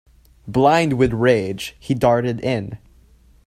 Blind with rage, he darted in.